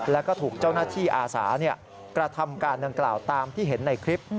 แล้วก็ถูกเจ้าหน้าที่อาสากระทำการดังกล่าวตามที่เห็นในคลิป